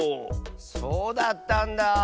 そうだったんだ。